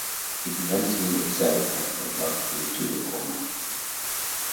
He began singing himself but fell back into the coma.